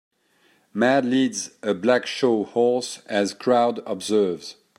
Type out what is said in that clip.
Man leads a black show horse as crowd observes.